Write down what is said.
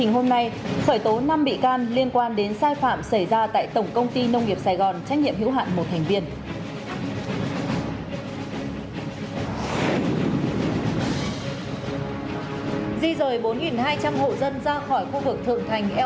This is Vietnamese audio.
hãy đăng ký kênh để ủng hộ kênh của chúng mình nhé